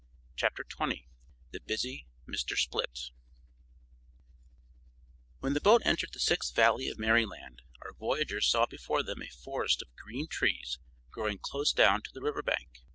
CHAPTER 16 The Busy Mr. Split When the boat entered the Sixth Valley of Merryland our voyagers saw before them a forest of green trees growing close down to the river bank.